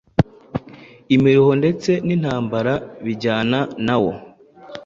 imiruho ndetse n’intambara bijyana nawo.